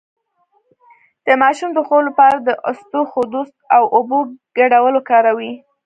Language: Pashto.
د ماشوم د خوب لپاره د اسطوخودوس او اوبو ګډول وکاروئ